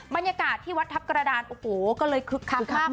บรรยากาศที่วัดทัพกระดานโอ้โหก็เลยคึกคักมาก